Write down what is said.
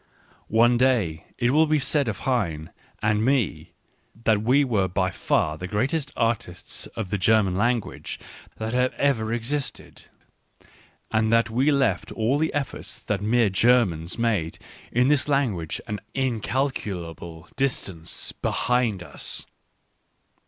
One day it will be said ! of Heine and me that we were by far the greatest ! artists of the German language that have ever ex isted, and that we left all the efforts that mere Ger mans made in this language an incalculable distance Digitized by Google 40 ECCE HOMO behind us.